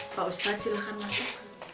pak ustadz silahkan makan